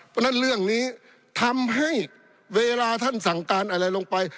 เพราะฉะนั้นเรื่องนี้ทำให้เวลาท่านสั่งการอะไรลงไป